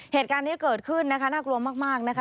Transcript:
เหตุการณ์นี้เกิดขึ้นนะคะน่ากลัวมากนะคะ